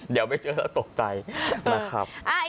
เดี๋ยวไม่เจอแล้วตกใจนะครับ